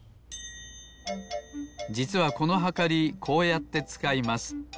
じつはこのはかりこうやってつかいます。